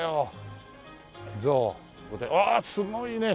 ああすごいね！